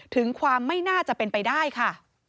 ถึงความไม่น่าจะเป็นไปได้ค่ะ